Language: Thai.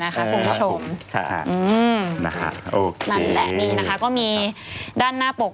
คุณผู้ชมนั่นแหละนี่นะคะก็มีด้านหน้าปก